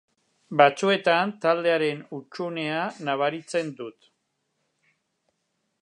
Batzuetan taldearen hutsunea nabaritzen dut.